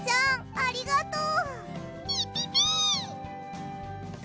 ありがとう！